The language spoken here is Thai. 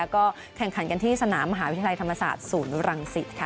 ก็แข่งขันกันที่สนามมหาวิทยาลัยธรรมศาสตร์ศูนย์รังสิตค่ะ